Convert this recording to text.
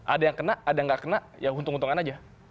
ada yang kena ada yang nggak kena ya untung untungan aja